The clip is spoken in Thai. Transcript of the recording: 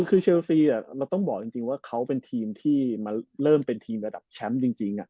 คือเชลซีเราต้องบอกจริงว่าเขาเป็นทีมที่มาเริ่มเป็นทีมระดับแชมป์จริง